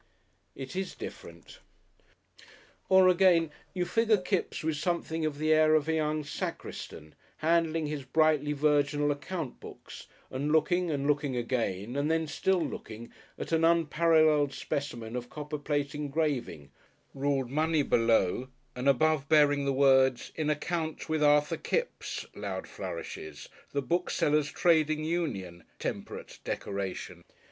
It is different.... Or, again, you figure Kipps with something of the air of a young sacristan, handling his brightly virginal account books, and looking, and looking again, and then still looking, at an unparalleled specimen of copperplate engraving, ruled money below and above, bearing the words "In Account with, ARTHUR KIPPS" (loud flourishes), "The Booksellers' Trading Union" (temperate decoration).